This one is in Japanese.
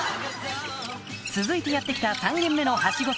続いてやって来た３軒目のハシゴ